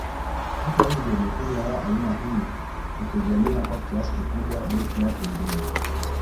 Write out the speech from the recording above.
Hata hivyo mifumo ya aina hii hutegemea kwa kiasi kikubwa beki wa pembeni